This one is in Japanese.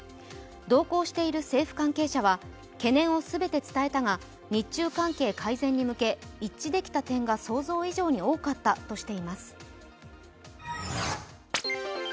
同行していく政府関係者は懸念を全て伝えたが、日中関係改善に向け、一致できた点が想像以上に多かったとしています。